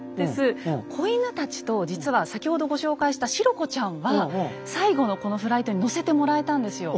子犬たちと実は先ほどご紹介したシロ子ちゃんは最後のこのフライトに乗せてもらえたんですよ。